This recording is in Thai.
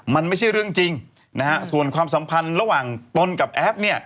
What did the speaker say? มันไม่ใช่เรื่องจริงนะฮะส่วนความสัมพันธ์ระหว่างตนกับแอฟเนี่ย